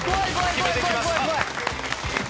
決めてきました。